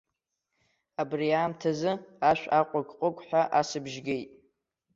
Абри аамҭазы ашә аҟәыгә-ҟәыгәҳәа асыбжь геит.